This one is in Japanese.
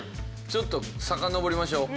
ちょっとさかのぼりましょう。